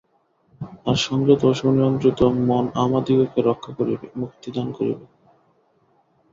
আর সংযত ও সুনিয়ন্ত্রিত মন আমাদিগকে রক্ষা করিবে, মুক্তিদান করিবে।